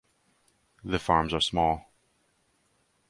The farms are small.